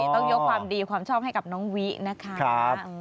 ต้องยกความดีความชอบให้กับน้องวินะคะ